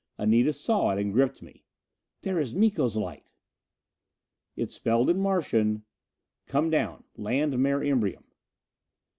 Anita saw it and gripped me. "There is Miko's light!" It spelled in Martian, "_Come down. Land Mare Imbrium.